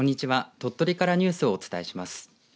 鳥取からニュースをお伝えします。